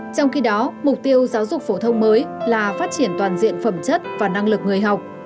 trong khi đó mục tiêu giáo dục phổ thông mới là phát triển toàn diện phẩm chất và năng lực người học